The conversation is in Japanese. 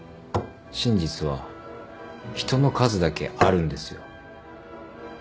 真実は人の数だけあるんですよ。